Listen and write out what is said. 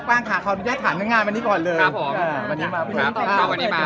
เอ้าป้างขาขาวทรีย์ขาวเนื้องานวันนี้ก่อนเลย